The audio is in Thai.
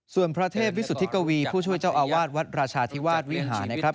ส่วนพระเทพวิสุทธิกวีผู้ช่วยเจ้าอาวาสวัดราชาธิวาสวิหารนะครับ